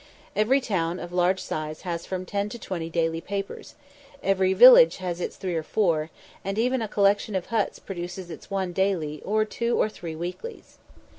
Every town of large size has from ten to twenty daily papers; every village has its three or four; and even a collection of huts produces its one "daily," or two or three "weeklies."